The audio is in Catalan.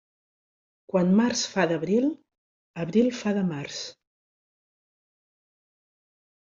Quan març fa d'abril, abril fa de març.